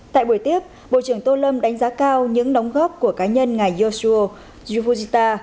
tại buổi tiếp bộ trưởng tô lâm đánh giá cao những đóng góp của cá nhân ngày yasuo fujita